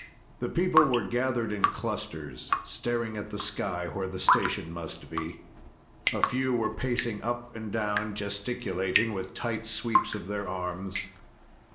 The people were gathered in clusters, staring at the sky where the station must be. A few were pacing up and down, gesticulating with tight sweeps of their arms.